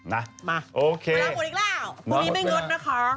มาโอเคเวลาหมดอีกแล้วพรุ่งนี้ไม่งดนะคะ